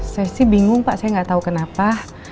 saya sih bingung pak saya nggak tahu kenapa